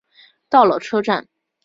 到了车站